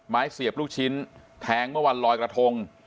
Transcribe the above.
เสียบลูกชิ้นแทงเมื่อวันลอยกระทง